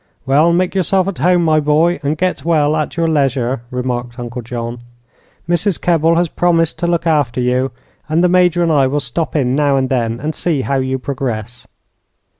"Well, make yourself at home, my boy, and get well at your leisure," remarked Uncle John. "Mrs. Kebble has promised to look after you, and the Major and I will stop in now and then and see how you progress."